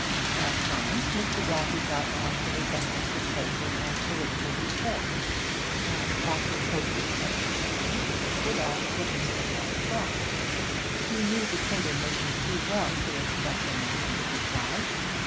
At times Mr. Daffy got on to the subject of social and political reform, and, after copious exposition, would ask what Mr. Lott thought. He knew the timber merchant too well to expect an immediate reply.